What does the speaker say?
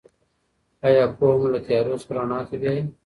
آیا پوهه مو له تیارو څخه رڼا ته بیايي؟